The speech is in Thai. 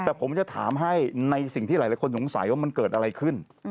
แต่ผมจะถามให้ในสิ่งที่หลายคนสงสัยว่ามันเกิดอะไรขึ้น